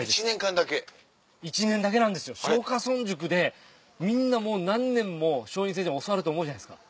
１年だけなんですよ松下村塾でみんなもう何年も松陰先生に教わると思うじゃないですか。